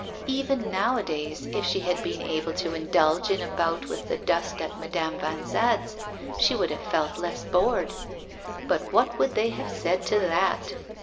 Even nowadays, if she had been able to indulge in a bout with the dust at Madame Vanzade's, she would have felt less bored. But what would they have said to that?